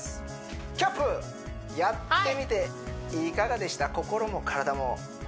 キャップやってみていかがでした？